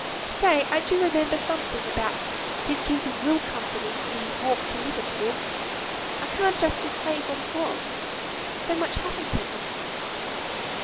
"Stay! I do remember something about his keeping Will company, in his walk to Liverpool. I can't justly say what it was, so much happened that night."